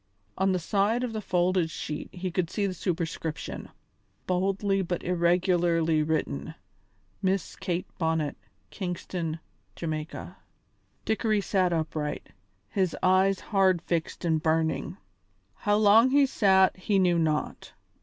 On the side of the folded sheet he could see the superscription, boldly but irregularly written: "Miss Kate Bonnet, Kingston, Ja." Dickory sat upright, his eyes hard fixed and burning. How long he sat he knew not.